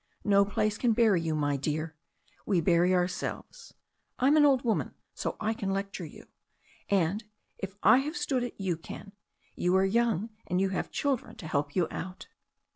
No place can bury you, my dear. We bury ourselves. I'm an old woman, so I can lecture you. And if I have stood it you can. You are young, and you have children to help you out."